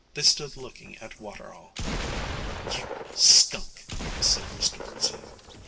They stood looking at Waterall. 'You skunk!' said Mr Birdsey.